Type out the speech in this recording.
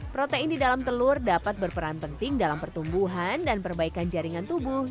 protein di dalam telur dapat berperan penting dalam pertumbuhan dan perbaikan jaringan tubuh